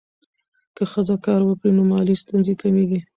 که ښځه کار وکړي، نو مالي ستونزې کمېږي.